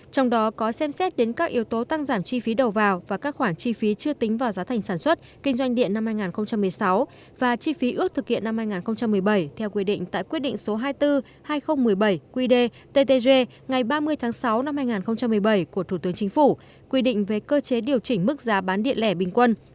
trong đó có xem xét đến các yếu tố tăng giảm chi phí đầu vào và các khoản chi phí chưa tính vào giá thành sản xuất kinh doanh điện năm hai nghìn một mươi sáu và chi phí ước thực hiện năm hai nghìn một mươi bảy theo quy định tại quyết định số hai mươi bốn hai nghìn một mươi bảy qd ttg ngày ba mươi tháng sáu năm hai nghìn một mươi bảy của thủ tướng chính phủ quy định về cơ chế điều chỉnh mức giá bán điện lẻ bình quân